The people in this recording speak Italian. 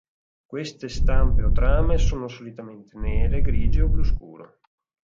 Queste stampe o trame sono solitamente nere, grigie o blu scuro.